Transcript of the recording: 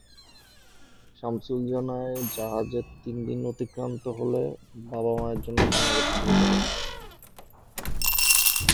শামসুল জানায়, জাহাজে তিন দিন অতিক্রান্ত হলে বাবা-মায়ের জন্য কান্নাকাটি শুরু করে।